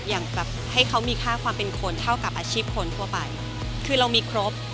อย่างแบบให้เขามีค่าความเป็นคนเท่ากับอาชีพคนทั่วไปคือเรามีครบ